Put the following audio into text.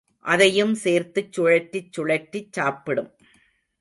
அதையும் சேர்த்துச் சுழற்றிச் சுழற்றிச் சாப்பிடும்.